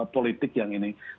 politik yang ini